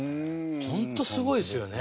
ホントすごいですよね。